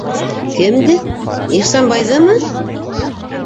Кемде, Ихсанбайҙымы?